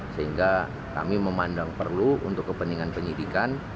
sehingga kami memandang perlu untuk kepentingan penyidikan